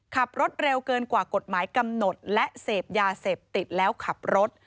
ขับรถเร็วเกินกว่ากฎหมายกำหนดและเสพยาเสพติดแล้วขับรถ